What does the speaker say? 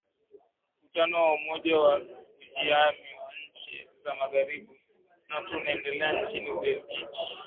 mkutano wa umoja wa kujihami wa nchi za magharibi nato unaendelea nchini ubelgiji